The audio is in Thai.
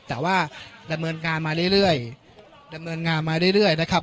แต่ว่าดำเนินงานมาเรื่อยดำเนินงานมาเรื่อยนะครับ